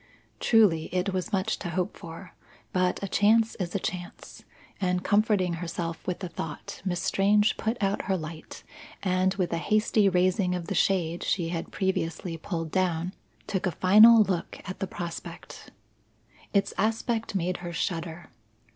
Truly, it was much to hope for, but a chance is a chance; and comforting herself with the thought, Miss Strange put out her light, and, with a hasty raising of the shade she had previously pulled down, took a final look at the prospect. Its aspect made her shudder.